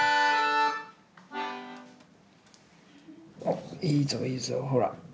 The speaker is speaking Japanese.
おっいいぞいいぞほら。